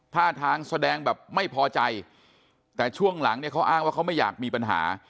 ท่าทางแสดงแบบไม่พอใจแต่ช่วงหลังเนี่ยเขาอ้างว่าเขาไม่อยากมีปัญหา